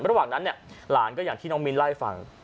ระหว่างนั้นเนี่ยหลานก็อย่างที่น้องมิลไล่ฝั่ง